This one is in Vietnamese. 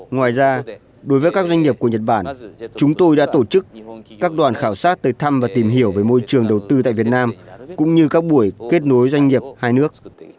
ngoài ra đối với các doanh nghiệp của nhật bản chúng tôi đã tổ chức các đoàn khảo sát tới thăm và tìm hiểu về môi trường đầu tư tại việt nam cũng như các buổi kết nối doanh nghiệp hai nước